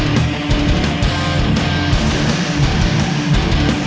nggak udah ngajak ribut ya boy